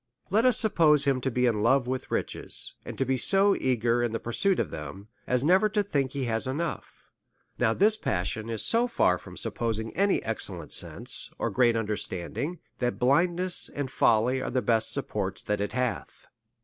Let us suppose him to be in love with riches, and to be so eager in the pursuit of them, as never to think he has enough ; now this passion is so far from supposing any excellent sense, or great understanding, that blindness and folly are the best supports that it hath.